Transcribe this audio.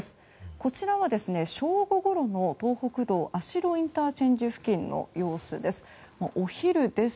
こちらは正午ごろの東北道安代ＩＣ付近の様子です。